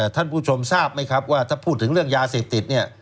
ท่านผู้ชมทราบไหมครับว่าถ้าพูดถึงเรื่องยาเสพติดเนี่ย